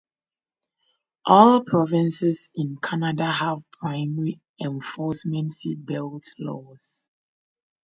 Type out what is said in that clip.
All provinces in Canada have primary enforcement seat belt laws.